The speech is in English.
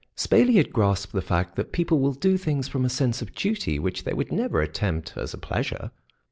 Spayley had grasped the fact that people will do things from a sense of duty which they would never attempt as a pleasure.